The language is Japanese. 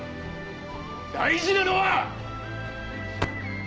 大事なのは！